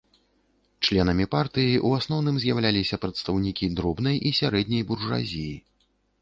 Членамі партыі ў асноўным з'яўляліся прадстаўнікі дробнай і сярэдняй буржуазіі.